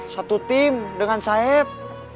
satu tim dengan saeb